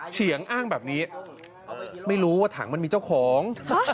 เฉียงอ้างแบบนี้ไม่รู้ว่าถังมันมีเจ้าของ